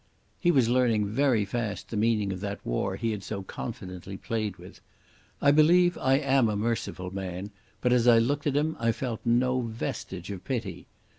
He was learning very fast the meaning of that war he had so confidently played with. I believe I am a merciful man, but as I looked at him I felt no vestige of pity.